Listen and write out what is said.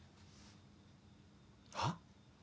はっ！？